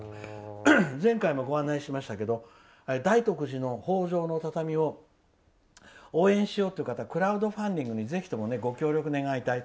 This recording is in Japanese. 前回もご案内しましたが大徳寺の方丈の畳を応援しようという方クラウドファンディングにぜひともご協力を願いたい。